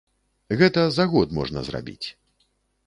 Гэта за год можна зрабіць.